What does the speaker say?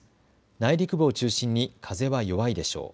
内陸部を中心に風は弱いでしょう。